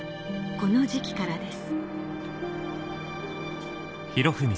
この時期からです